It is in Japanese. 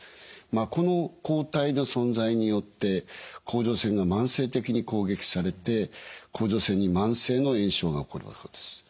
この抗体の存在によって甲状腺が慢性的に攻撃されて甲状腺に慢性の炎症が起こるわけです。